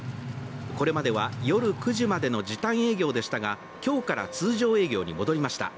これまでは夜９時までの時短営業でしたが今日から通常営業に戻りました。